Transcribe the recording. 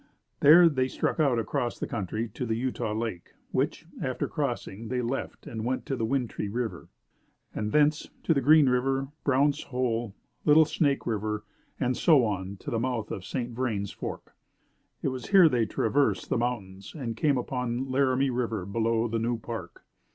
There they struck out across the country to the Utah lake, which, after crossing, they left, and went to the Wintry River, and thence to Green River, Brown's Hole, Little Snake River, and so on to the mouth of St. Vrain's Fork. It was here that they traversed the mountains and came upon Laramie River below the New Park.